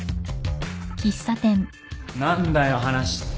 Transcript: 何だよ話って。